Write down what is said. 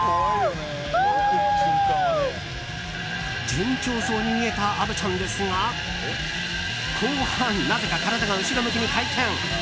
順調そうに見えた虻ちゃんですが後半、なぜか体が後ろ向きに回転。